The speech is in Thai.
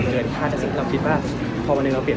ซึ่งผมทำใจตั้งแต่ก่อนจะเปิดตัวในสำบัด